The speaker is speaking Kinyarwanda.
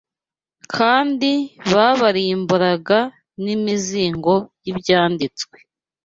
kandi babaramburiraga n’imizingo y’Ibyanditswe